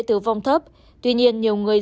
tử vong thấp tuy nhiên nhiều người